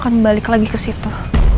akan balik lagi ke situ